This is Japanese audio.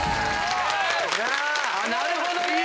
なるほどね。